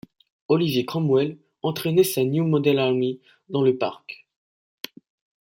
Oliver Cromwell entraînait sa New Model Army dans le Parc.